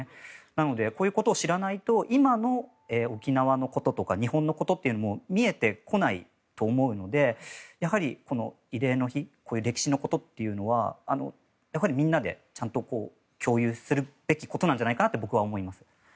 なので、こういうことを知らないと、今の沖縄のこととか日本のことというのも見えてこないと思うのでやはり慰霊の日歴史のことというのはみんなでちゃんと共有するべきことなんじゃないかなと僕は思います。